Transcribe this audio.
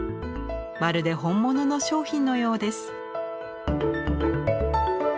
まるで本物の商品のようです。